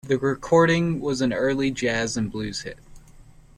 The recording was an early jazz and blues hit.